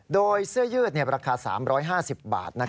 โดยเสื้อยืดราคา๓๕๐บาท